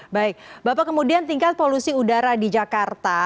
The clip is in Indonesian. baik bapak kemudian tingkat polusi udara di jakarta